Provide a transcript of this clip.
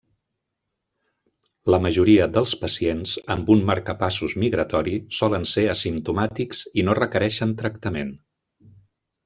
La majoria dels pacients amb un marcapassos migratori solen ser asimptomàtics i no requereixen tractament.